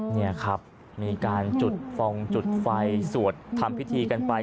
นี่ครับมีการจุดฟองจุดไฟสวดทำพิธีกันไป